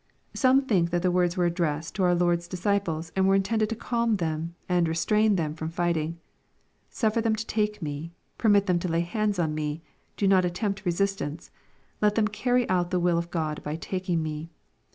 Some think that the words were addressed to our Lord's disciples, and were intended to calm them, and restrain them from fighting. " Suflfer them to take me. Permit them to lay hands on me. Do not attempt resistance. Let them carry out the will of God, by taking me."